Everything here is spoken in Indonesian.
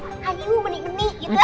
ayo menik menik gitu